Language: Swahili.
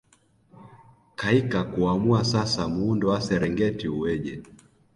Kaika kuamua sasa muundo wa Serengeti uweje